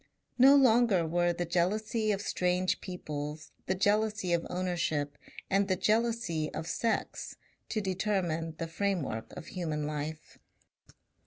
No longer were the jealousy of strange peoples, the jealousy of ownership and the jealousy of sex to determine the framework of human life.